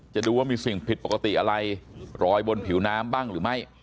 ดูว่ามีสิ่งผิดปกติอะไรรอยบนผิวน้ำบ้างหรือไม่